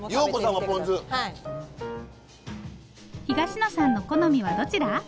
東野さんの好みはどちら？